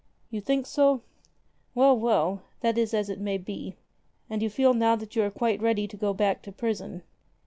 "You think so? Well, well, that is as it may be. And you feel now that you are quite ready to go back to prison?"